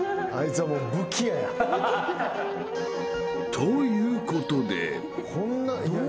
［ということで］